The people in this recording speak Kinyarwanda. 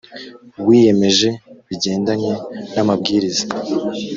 wiyemeje bigendanye n amabwiriza